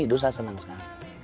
itu saya senang sekali